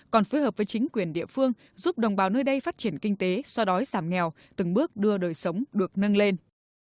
còn phối hợp với chính quyền địa phương giúp đồng bào nơi đây phát triển kinh tế so đói giảm nghèo từng bước đưa đời sống được nâng lên